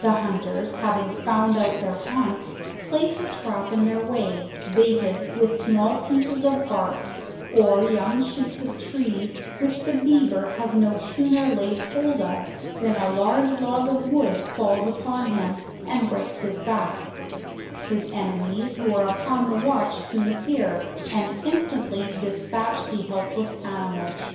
The hunters having found out their haunts, place a trap in their way, baited with small pieces of bark, or young shoots of trees, which the beaver has no sooner laid hold of, than a large log of wood falls upon him, and breaks his back; his enemies, who are upon the watch soon appear, and instant ly despatch the helpless animal.